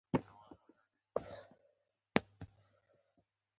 انګلیسي د محصلینو لپاره اړینه ده